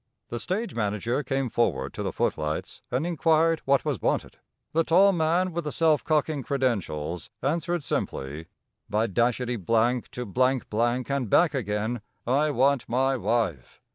The stage manager came forward to the footlights and inquired what was wanted. The tall man with the self cocking credentials answered simply: "By Dashety Blank to Blank Blank and back again, I want my wife!"